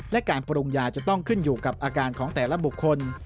และการปรุงยาจะต้องขึ้นอยู่กับอาการของแต่ละบุคคล